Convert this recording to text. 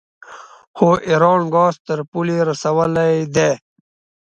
خو ایران ګاز تر پولې رسولی دی.